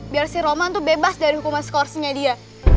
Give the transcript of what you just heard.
biar si roman tuh bebas dari hukuman skorsinya dia